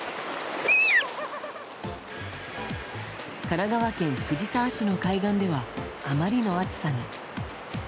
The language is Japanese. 神奈川県藤沢市の海岸ではあまりの暑さに。